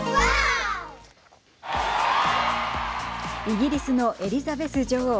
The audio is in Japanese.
イギリスのエリザベス女王